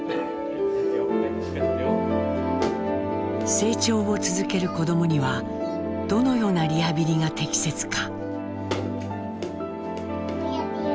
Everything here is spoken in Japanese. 成長を続ける子どもにはどのようなリハビリが適切か。